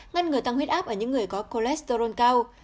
ngăn ngừa tăng huyết áp ở những người có cholesterol cao